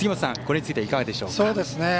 これについてはいかがでしょうか。